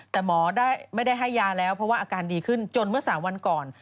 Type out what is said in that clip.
แต่หมอไม่ได้ให้ยาแล้วเพราะว่าอาการดีขึ้นจนเมื่อ๓วันก่อน